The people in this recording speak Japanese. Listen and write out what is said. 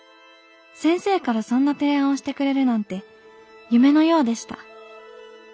先生からそんな提案をしてくれるなんて夢のようでした。